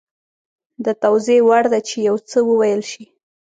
د توضیح وړ ده چې یو څه وویل شي